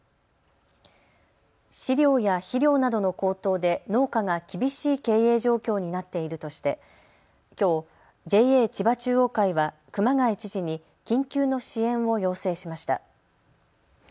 飼料や肥料などの高騰で農家が厳しい経営状況になっているとしてきょうＪＡ千葉中央会は熊谷知事に緊急の支援を要請しました。